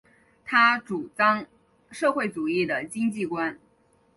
他主张社会主义的经济观。